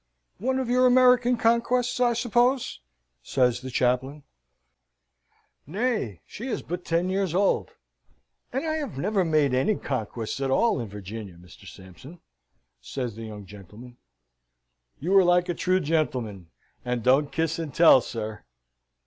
"One of your American conquests, I suppose?" says the chaplain. "Nay, she is but ten years old, and I have never made any conquests at all in Virginia, Mr. Sampson," says the young gentleman. "You are like a true gentleman, and don't kiss and tell, sir."